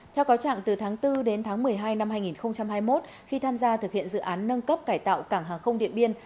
theo cáo trạng từ tháng bốn đến tháng một mươi hai năm hai nghìn hai mươi một khi tham gia thực hiện dự án nâng cấp cải tạo cảng hàng không điện biên